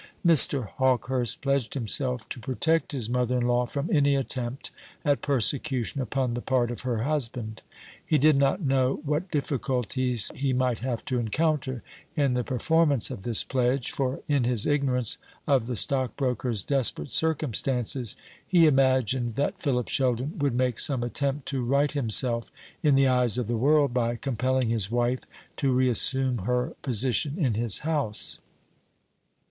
Mr. Hawkehurst pledged himself to protect his mother in law from any attempt at persecution upon the part of her husband. He did not know what difficulties he might have to encounter in the performance of this pledge; for, in his ignorance of the stockbroker's desperate circumstances, he imagined that Philip Sheldon would make some attempt to right himself in the eyes of the world, by compelling his wife to reassume her position in his house.